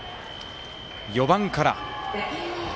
４番から。